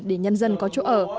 để nhân dân có chỗ ở